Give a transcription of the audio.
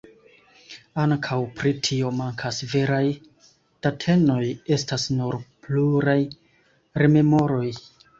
Ankaŭ pri tio mankas veraj datenoj, estas nur pluraj rememoroj.